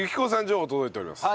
情報届いております。